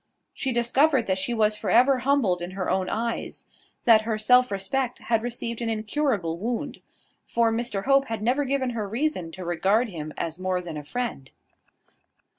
She discovered that she was for ever humbled in her own eyes; that her self respect had received an incurable wound: for Mr Hope had never given her reason to regard him as more than a friend.